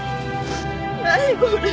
何これ。